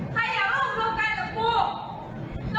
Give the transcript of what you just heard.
คือลูกเจ้าเหมือนกัน